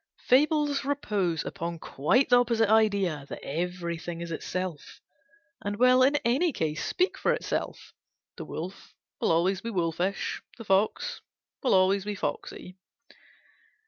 Fables repose upon quite the opposite idea; that everything is itself, and will in any case speak for itself. The wolf will be always wolfish; the fox will be always foxy.